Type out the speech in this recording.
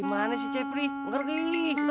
kan gua kata juga apa sembilan